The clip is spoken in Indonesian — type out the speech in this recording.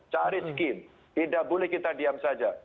tidak boleh kita diam saja